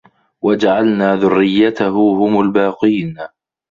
وَجَعَلنا ذُرِّيَّتَهُ هُمُ الباقينَ